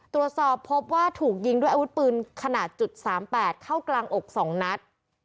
ตรวจสอบพบว่าถูกยิงด้วยอาวุธปืนขนาด๓๘เข้ากลางอก๒นัด